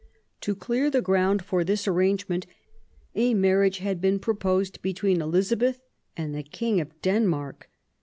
To clear the ground for this arrangement a marriage had been proposed between Elizabeth and the King of Denmark.